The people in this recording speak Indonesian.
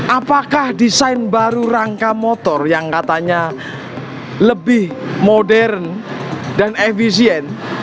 apakah desain baru rangka motor yang katanya lebih modern dan efisien